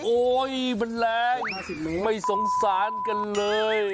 โอ๊ยมันแรงไม่สงสารกันเลย